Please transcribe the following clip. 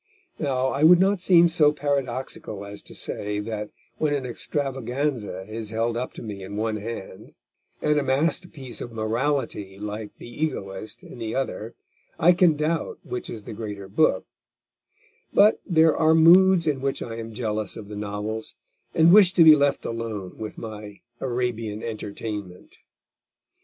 Now, I would not seem so paradoxical as to say that when an extravaganza is held up to me in one hand, and a masterpiece of morality like The Egoist in the other, I can doubt which is the greater book; but there are moods in which I am jealous of the novels, and wish to be left alone with my Arabian Entertainment.